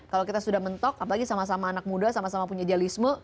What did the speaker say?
kalau kita sudah mentok apalagi sama sama anak muda sama sama punya dialisme